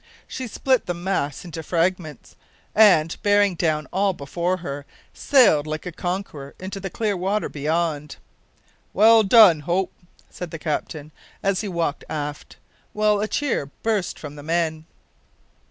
She split the mass into fragments, and, bearing down all before her, sailed like a conqueror into the clear water beyond. "Well done the Hope!" said the captain, as he walked aft, while a cheer burst from the men.